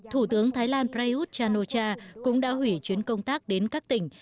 thủ tướng thái lan prayuth chan o cha cũng đã hủy chuyến công tác đến các tỉnh